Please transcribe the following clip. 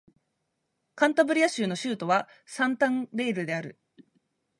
カンタブリア州の州都はサンタンデールである